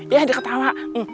ya dia ketawa